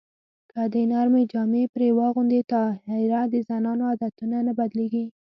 که د نر جامې پرې واغوندې طاهره د زنانو عادتونه نه بدلېږي